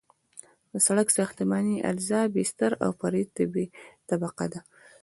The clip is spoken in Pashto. د سرک ساختماني اجزا بستر او فرعي طبقه ده